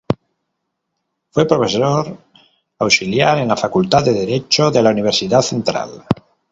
Fue profesor auxiliar en la Facultad de Derecho de la Universidad Central.